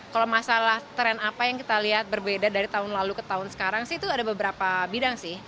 kalau masalah tren apa yang kita lihat berbeda dari tahun lalu ke tahun sekarang sih itu ada beberapa bidang sih